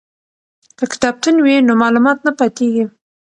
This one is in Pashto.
که کتابتون وي نو معلومات نه پاتیږي.